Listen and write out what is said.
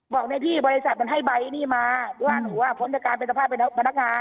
บอกในที่บริษัทมันให้ใบนี้มาว่าหนูอ่ะพ้นจากการเป็นสภาพเป็นพนักงาน